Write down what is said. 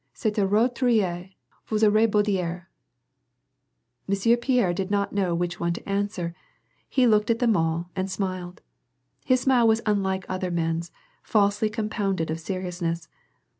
" Cest un roturieTy vaus aurez beau dire,'* t Monsieur Pierre did not know which one to answer; he looked at them all and smiled. His smile was unlike other men's, falsely compounded of seriousness.